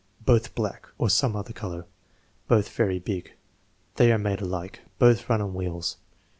"Both black" (or some other color). "Both very big." "They are made alike." "Both run on wheels."